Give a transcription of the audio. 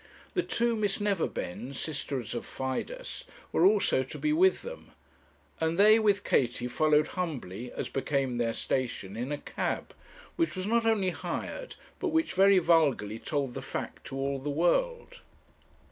The two Miss Neverbends, sisters of Fidus, were also to be with them, and they with Katie followed humbly, as became their station, in a cab, which was not only hired, but which very vulgarly told the fact to all the world.